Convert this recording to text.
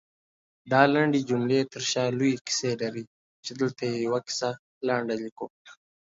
دالنډې جملې ترشا لويې کيسې لري، چې دلته يې يوه کيسه لنډه ليکو